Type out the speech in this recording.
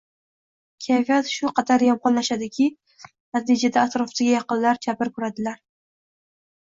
kayfiyat shu qadar yomonlashadiki, natijada atrofdagi yaqinlar jabr ko‘radilar.